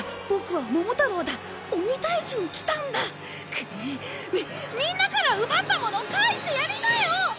くっみんなから奪ったもの返してやりなよ！